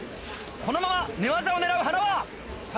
このまま寝技を狙う塙。